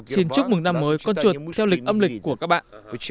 xin chúc mừng năm mới con chuột theo lịch âm lịch của các bạn